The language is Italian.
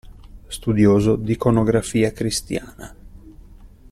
Studioso d'iconografia cristiana.